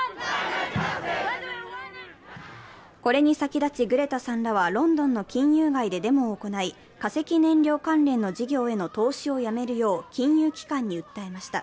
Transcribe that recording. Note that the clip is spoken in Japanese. これに先立ち、グレタさんらはロンドンの金融街でデモを行い、化石燃料関連の事業への投資をやめるよう金融機関に訴えました。